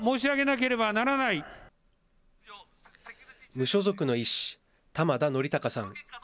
無所属の医師、玉田憲勲さん。